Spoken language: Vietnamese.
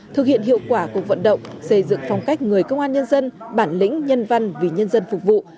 thực hiện hiệu quả cuộc vận động xây dựng phong cách người công an nhân dân bản lĩnh nhân văn vì nhân dân phục vụ